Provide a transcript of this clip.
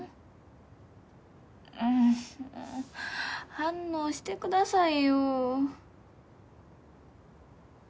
反応してくださいよ！